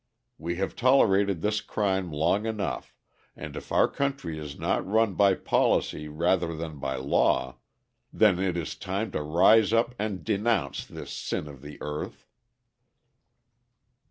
We have tolerated this crime long enough, and if our country is not run by policy rather than by law, then it is time to rise up and denounce this sin of the earth."